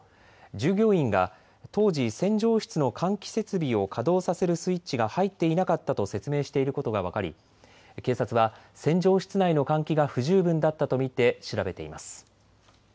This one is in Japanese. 従業員が当時、洗浄室の換気設備を稼働させるスイッチが入っていなかったと説明していることが分かり警察は洗浄室内の換気が不十分だったと見て調べています。